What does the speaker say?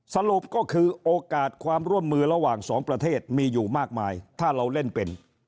สรุปก็คือโอกาสความร่วมมือระหว่างสองประเทศมีอยู่มากมายถ้าเราเล่นเป็น